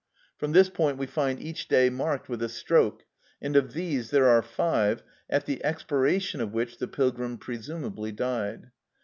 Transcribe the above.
From this point we find each day marked with a stroke, and of these there are five, at the expiration of which the pilgrim presumably died.